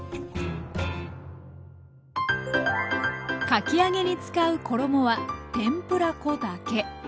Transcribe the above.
かき揚げに使う衣は天ぷら粉だけ。